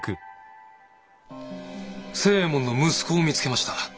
星右衛門の息子を見つけました。